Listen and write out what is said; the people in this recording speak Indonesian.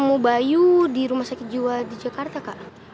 mau bayu di rumah sakit jiwa di jakarta kak